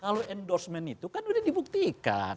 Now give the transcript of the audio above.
kalau endorsement itu kan udah dibuktikan